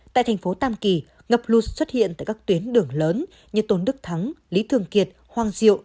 tại thành phố tam kỳ ngập lụt xuất hiện tại các tuyến đường lớn như tôn đức thắng lý thường kiệt hoang diệu